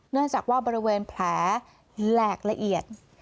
เนื่องจากว่าบริเวณแผลแหลกละเอียด